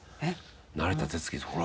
「慣れた手つきですほら」